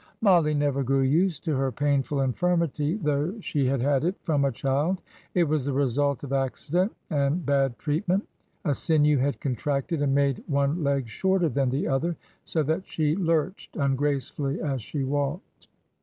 Mollie never grew used to her painful infirmity, though she had had it from a child; it was the result of accident and bad treatment; a sinew had contracted and made one leg shorter than the other, so that she lurched ungracefully as she walked.